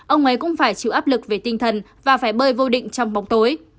ông ấy cũng phải chịu áp lực về tinh thần và phải bơi vô định trong bóng tối